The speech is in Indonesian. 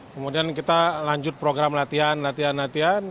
kemudian kita lanjut program latihan latihan